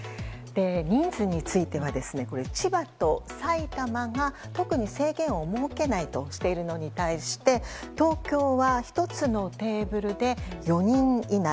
人数については千葉と埼玉が特に制限を設けないとしているのに対して東京は１つのテーブルで４人以内。